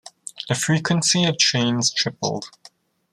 The frequency of trains tripled.